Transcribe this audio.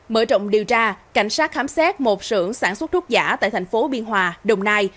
mở rộng điều tra cảnh sát khám xét một sưởng sản xuất thuốc giả tại thành phố biên hòa đồng nai